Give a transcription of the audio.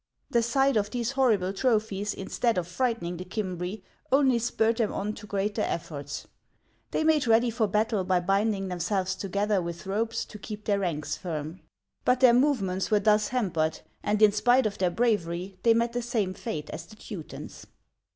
The sight of these horrible trophies, instead of frighten ing the Cimbri, only spurred them on to greater efforts. They made ready for battle by binding themselves together with ropes to keep their ranks firm ; but their movements were thus hampered, and in spite of their bravery they met the same fate as the Teutons.